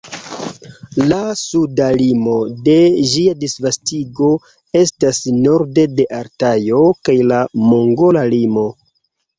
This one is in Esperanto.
La suda limo de ĝia disvastigo estas norde de Altajo kaj la mongola limo.